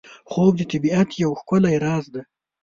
خوب د طبیعت یو ښکلی راز دی